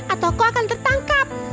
atau kau akan tertangkap